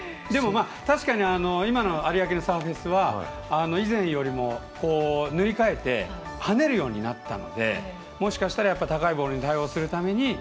確かに、今の有明のサーフェスは以前よりも塗り替えて跳ねるようになったのでもしかしたら高いボールに対応するために。